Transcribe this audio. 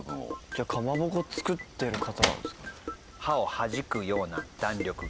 じゃあかまぼこ作ってる方なんですかね？